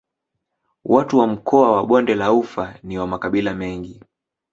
Watu wa mkoa wa Bonde la Ufa ni wa makabila mengi.